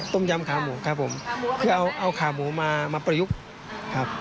ต้มยำขาหมูครับผมคือเอาขาหมูมามาประยุกต์ครับ